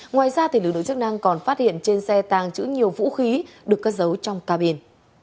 ngoài ra lực lượng chức năng còn phát hiện trên xe tàng trữ nhiều vũ khí được cất giấu trong ca biển